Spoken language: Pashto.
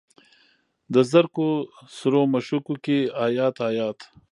د زرکو سرو مشوکو کې ایات، ایات